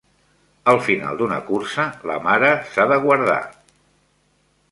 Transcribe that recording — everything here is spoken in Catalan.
Al final d'una cursa, la mare s'ha de guardar.